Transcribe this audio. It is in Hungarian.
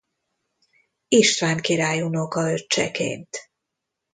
István király unokaöccseként.